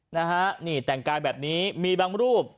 นะฮะนี่แต่งกายแบบนี้มีบางรูป